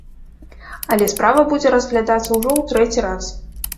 Але справа будзе разглядацца ўжо ў трэці раз.